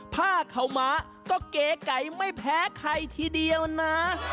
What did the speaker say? ผ้าขาวม้าก็เก๋ไก่ไม่แพ้ใครทีเดียวนะ